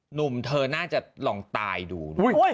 หนุ่มเธอน่าจะลองตายดู